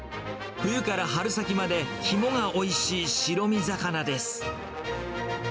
冬から春先まで肝がおいしい白身魚です。